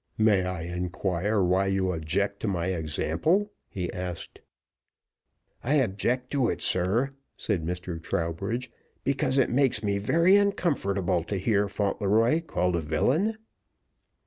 "May I inquire why you object to my example?" he asked. "I object to it, sir," said Mr. Trowbridge, "because it makes me very uncomfortable to hear Fauntleroy called a villain."